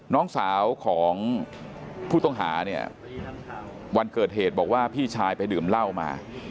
น้องสาวของผู้ต้องหาเนี่ยวันเกิดเหตุบอกว่าพี่ชายไปดื่มเหล้ามา